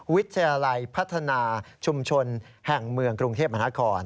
วิทยาลัยพัฒนาชุมชนแห่งเมืองกรุงเทพมหานคร